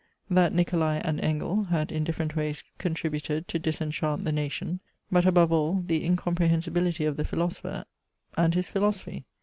That Nicolai and Engel had in different ways contributed to disenchant the nation; but above all the incomprehensibility of the philosopher and his philosophy.